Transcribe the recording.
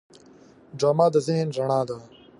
ډرامه د ذهن رڼا ده